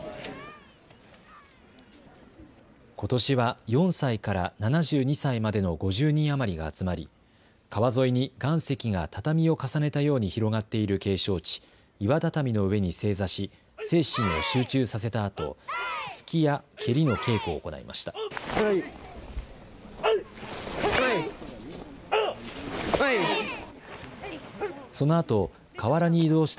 ことしは４歳から７２歳までの５０人余りが集まり、川沿いに岩石が畳を重ねたように広がっている景勝地、岩畳の上に正座し、精神を集中させたあと、突きや蹴りの稽古を行いました。